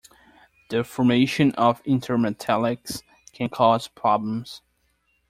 The formation of intermetallics can cause problems.